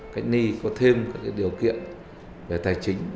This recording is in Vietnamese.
các ni có thêm các điều kiện về tài chính